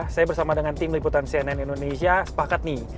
saya bersama dengan tim liputan cnn indonesia sepakat nih